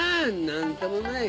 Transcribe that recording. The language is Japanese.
何ともない。